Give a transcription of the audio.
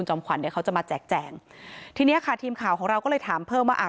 ขวัญเดี๋ยวเขาจะมาแจกแจงทีเนี้ยค่ะทีมข่าวของเราก็เลยถามเพิ่มว่าอ่า